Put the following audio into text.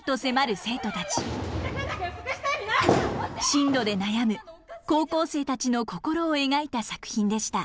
進路で悩む高校生たちの心を描いた作品でした。